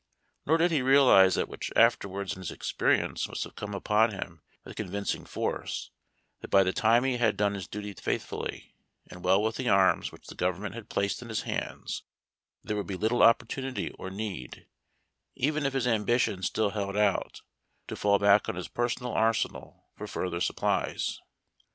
Nor did he realize that which afterwards in his experience must have come upon him with convincing force, that by the time he liad done his duty faithfully and well with the arms which the government had placed in his hands there would be little opportunity or need, even if his ambition still held out, to fall back on his personal arsenal for further supplies.